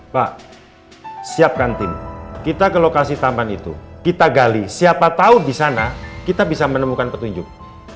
pak siapkan tim kita ke lokasi tambahan itu kita gali siapa tahu di sana kita bisa menemukan petunjuk